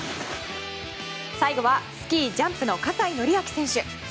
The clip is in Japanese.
最後はスキージャンプの葛西紀明選手。